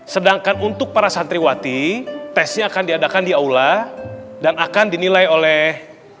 sedangkan untuk para santriwati tesnya akan diadakan di aula dan akan dinilai oleh